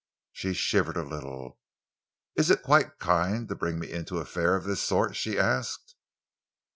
She shivered a little. "Is it quite kind to bring me into an affair of this sort?" she asked.